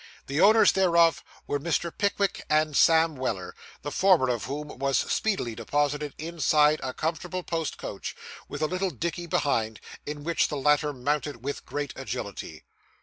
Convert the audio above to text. The owners thereof were Mr. Pickwick and Sam Weller, the former of whom was speedily deposited inside a comfortable post coach, with a little dickey behind, in which the latter mounted with great agility.